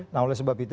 nah oleh sebab itu